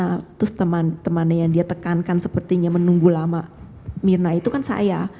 nah terus teman temannya yang dia tekankan sepertinya menunggu lama mirna itu kan saya